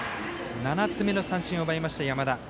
７つ目の三振を奪いました、山田。